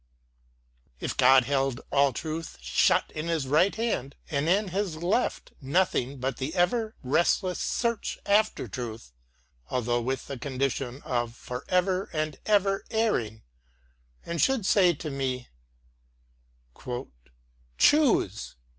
If God held all truth shut in his right hand, and in his left nothing but the ever restless search after truth, although with the condition of for ever and ever erring, and should say to me, (( Choose